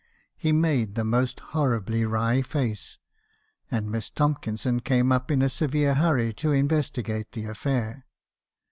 He made the most horribly wry face; and Miss Tomkinson came up in a severe hurry to in vestigate the affair.